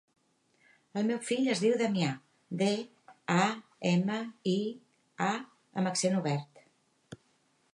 El meu fill es diu Damià: de, a, ema, i, a amb accent obert.